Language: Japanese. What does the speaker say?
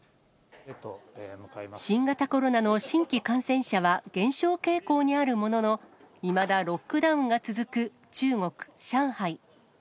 新型コロナの新規感染者は減少傾向にあるものの、いまだロックダウンが続く中国・上海。